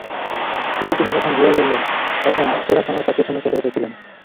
কিন্তু তিনি যখন রিয়ালে এলেন তখন সেরা সময়টা পেছনে ফেলে এসেছিলেন।